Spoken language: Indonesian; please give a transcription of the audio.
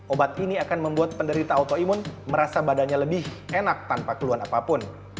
obat ini akan membuat penderita autoimun merasa badannya lebih enak tanpa keluhan apapun